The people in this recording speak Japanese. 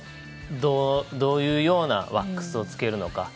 どういうようなワックスをつけるのか。